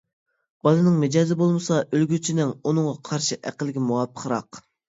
بالىنىڭ مىجەزى بولمىسا، ئۆلگۈچىنىڭ ئۇنىڭغا قارىشى ئەقىلگە مۇۋاپىقراق.